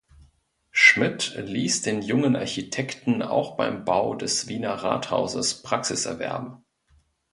Schmidt ließ den jungen Architekten auch beim Bau des Wiener Rathauses Praxis erwerben.